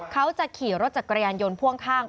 เขาจะขี่รถจักรยานยนต์พ่วงข้าง